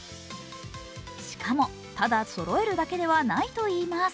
しかも、ただそろえるだけではないといいます。